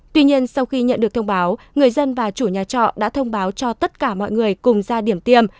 tuy nhiên sau khi nhận được thông báo người dân và chủ nhà trọ đã thông báo cho tất cả mọi người cùng ra điểm tiêm